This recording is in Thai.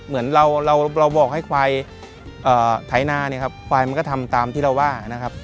เหมือนเราเราบอกให้ควายไถนาเนี่ยครับควายมันก็ทำตามที่เราว่านะครับ